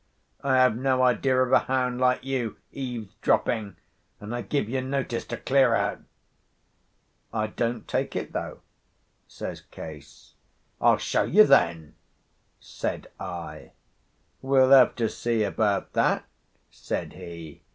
"I have no idea of a hound like you eavesdropping, and I give you notice to clear out." "I don't take it, though," says Case. "I'll show you, then," said I. "We'll have to see about that," said he.